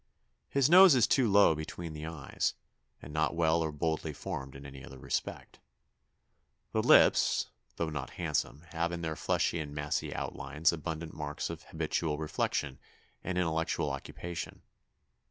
His nose is too low between the eyes, and not well or boldly formed in any other respect. The lips, although not handsome, have in their fleshy and massy outlines abundant marks of habitual reflection and intellectual occupation.